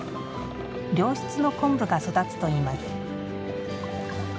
良質の昆布が育つといいます。